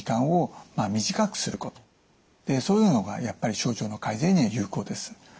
そういうのがやっぱり症状の改善には有効です。